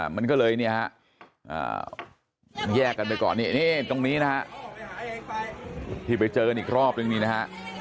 มันก็เลยเนี่ยแยกกันไปก่อนตรงนี้นะครับที่ไปเจอชาติอีกรอบนึงนะฮะ